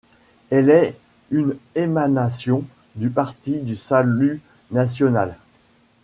Elle est une émanation du Parti du salut national.